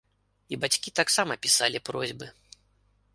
І бацькі таксама пісалі просьбы.